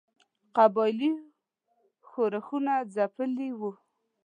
قبایلي ښورښونه ځپلي وه.